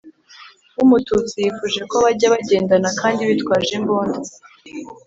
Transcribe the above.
w Umututsi yifuje ko bajya bagendana kandi bitwaje imbunda